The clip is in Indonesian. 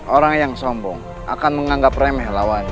orang yang sombong akan menganggap remeh lawannya